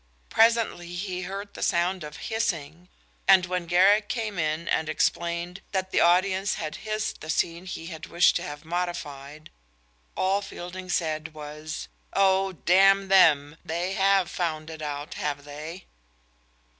Presently he heard the sound of hissing, and when Garrick came in and explained that the audience had hissed the scene he had wished to have modified, all Fielding said was: "Oh, damn them, they have found it out, have they!"